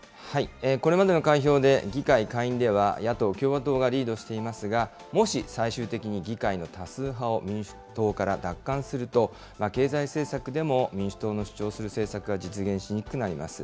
これまでの開票で、議会下院では、野党・共和党がリードしていますが、もし、最終的に議会の多数派を民主党から奪還すると、経済政策でも民主党の主張する政策が実現しにくくなります。